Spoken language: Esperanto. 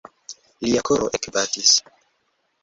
Lia koro ekbatis.